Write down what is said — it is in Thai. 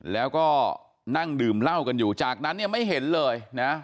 แล้วก็นั่งดื่มเหล้ากันอยู่จากนั้นเนี่ยไม่เห็นเลยนะ